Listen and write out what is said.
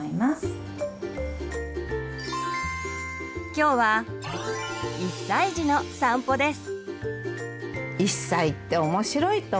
今日は１歳児の散歩です。